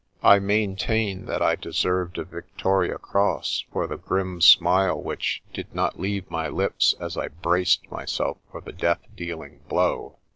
I maintain that I de served a Victoria Cross for the grim smile which did not leave my lips as I braced myself for the death dealing blow.